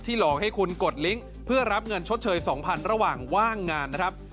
หลอกให้คุณกดลิงค์เพื่อรับเงินชดเชย๒๐๐๐ระหว่างว่างงานนะครับ